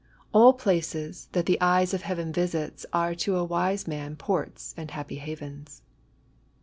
" An places that the eye of Heaven visits Ace to awise man ports and happy havens.